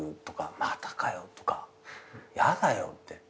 またかよとかやだよって。